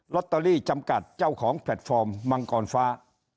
ตเตอรี่จำกัดเจ้าของแพลตฟอร์มมังกรฟ้า